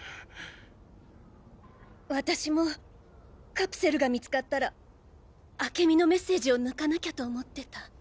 私もカプセルが見つかったら明美のメッセージを抜かなきゃと思ってた。